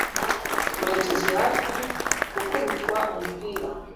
murekezi hafi gukubitwa umupira